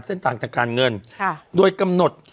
เส้นทางทางการเงินโดยกำหนด